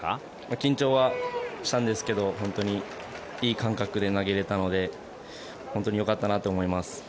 緊張はしたんですけどいい感覚で投げられたので本当によかったなと思います。